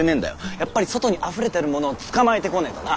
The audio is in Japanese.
やっぱり外に溢れてるものを捕まえてこねーとな。